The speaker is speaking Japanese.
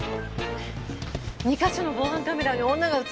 ２か所の防犯カメラに女が映ってたそうよ。